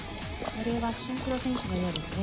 それはシンクロ選手のようですね。